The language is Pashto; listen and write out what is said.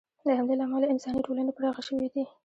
د همدې له امله انساني ټولنې پراخې شوې دي.